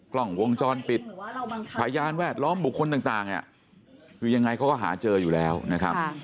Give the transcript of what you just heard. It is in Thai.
กล้องวงจรปิดพยานแวดล้อมบุคคลต่างคือยังไงเขาก็หาเจออยู่แล้วนะครับ